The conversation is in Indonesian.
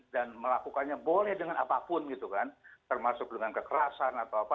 dan melakukannya boleh dengan apapun gitu kan termasuk dengan kekerasan atau apa